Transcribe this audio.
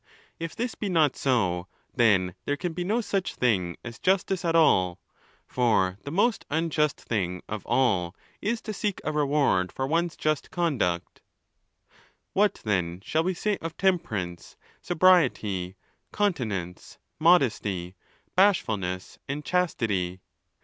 If this be not so, then there can be no such thing as justice at all; for the most unjust thing of all is to seek a reward for one's just conduct. XIX. What then shall we say of temperance, sobriety, continence, modesty, bashfulness, and chastity?